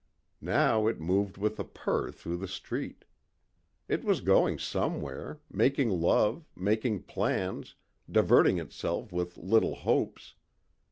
Now it moved with a purr through the street. It was going somewhere, making love, making plans, diverting itself with little hopes.